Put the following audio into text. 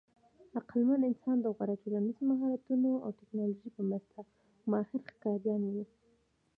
عقلمن انسان د غوره ټولنیزو مهارتونو او ټېکنالوژۍ په مرسته ماهر ښکاریان وو.